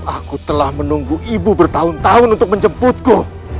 aku telah menunggu ibu bertahun tahun untuk menjemputku